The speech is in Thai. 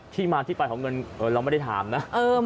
ที่มาที่ไปของเงินเราไม่ได้ถามนะ